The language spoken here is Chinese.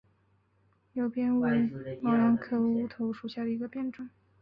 牛扁为毛茛科乌头属下的一个变种。